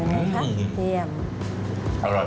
เห็นไหมครับเที่ยม